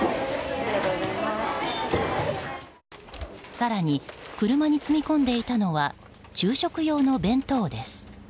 更に、車に積み込んでいたのは昼食用の弁当です。